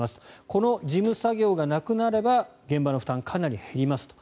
この事務作業がなくなれば現場の負担はかなり減りますと。